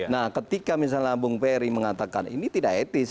nah ketika misalnya bang ferry mengatakan ini tidak etis